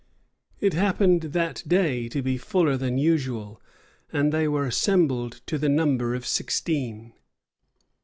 It happened that day to be fuller than usual, and they were assembled to the number of sixteen.